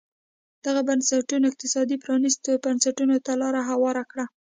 دغو بنسټونو اقتصادي پرانیستو بنسټونو ته لار هواره کړه.